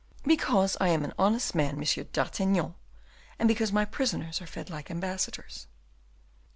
"Because I am an honest man, M. d'Artagnan, and because my prisoners are fed like ambassadors."